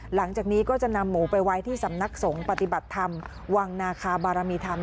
หลังจากนี้ก็จะนำหมูไปไว้ที่สำนักสงฆ์ปฏิบัติธรรมวังนาคาบารมีธรรม